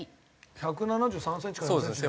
１７３センチか１７４センチ。